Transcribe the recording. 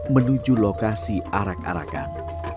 menuju lokasi arak arakan